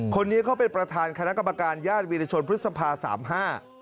คนนี้เขาเป็นประธานคณะกรรมการญาติวิรชนพฤษภาสามห้า